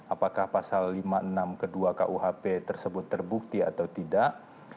apakah pasal lima puluh enam kedua kuhp tersebut terbukti atau tidak